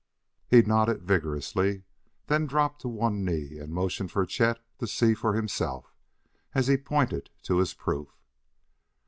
He nodded vigorously, then dropped to one knee and motioned for Chet to see for himself, as he pointed to his proof.